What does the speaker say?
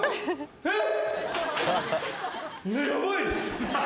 えっ！？